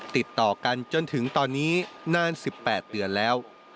ติดต่อกันจนถึงตอนนี้นาน๑๘เดือนแล้ว